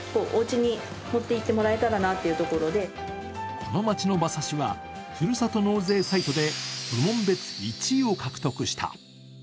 この町の馬刺しは、ふるさと納税サイトで部門別１位を獲得した。